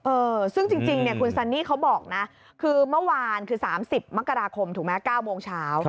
เออซึ่งจริงคุณซันนี่เขาบอกนะคือเมื่อวาน๓๐มกราคม๙โมงเช้า